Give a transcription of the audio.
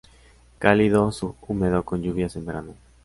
Cálido subhúmedo con lluvias en verano.